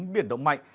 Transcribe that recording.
biển động mạnh